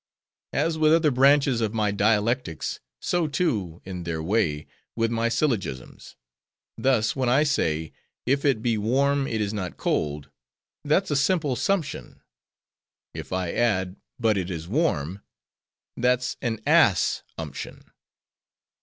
"As with other branches of my dialectics: so, too, in their way, with my Syllogisms. Thus: when I say,—If it be warm, it is not cold:— that's a simple Sumption. If I add, But it is warm:—that's an _Ass_umption."